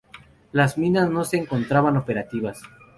Las minas no se encontraban operativas.